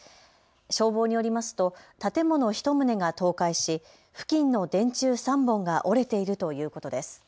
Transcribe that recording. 消防によりますと建物１棟が倒壊し、付近の電柱３本が折れているということです。